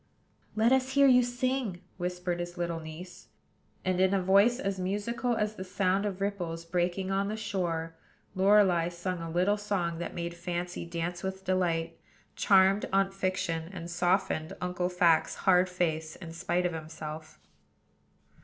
"Let us hear you sing," whispered his little niece; and, in a voice as musical as the sound of ripples breaking on the shore, Lorelei sung a little song that made Fancy dance with delight, charmed Aunt Fiction, and softened Uncle Fact's hard face in spite of himself.